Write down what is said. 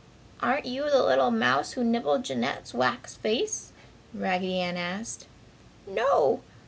"Aren't you the little mouse who nibbled Jeanette's wax face?" Raggedy Ann asked. "No!"